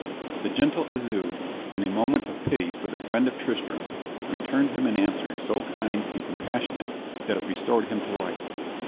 The gentle Isoude, in a moment of pity for the friend of Tristram, returned him an answer so kind and compassionate that it restored him to life.